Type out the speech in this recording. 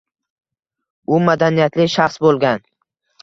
U madaniyatli shaxs bo‘lgan.